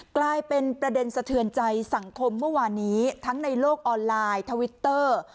กลายเป็นประเด็นสะเทือนใจสังคมเมื่อวานนี้ทั้งในโลกออนไลน์ทวิตเตอร์